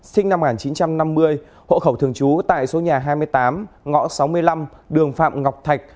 sinh năm một nghìn chín trăm năm mươi hộ khẩu thường trú tại số nhà hai mươi tám ngõ sáu mươi năm đường phạm ngọc thạch